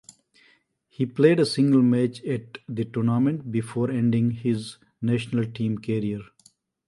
He played a single match at the tournament, before ending his national team career.